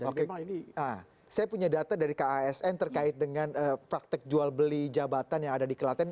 oke saya punya data dari kasn terkait dengan praktek jual beli jabatan yang ada di kelaten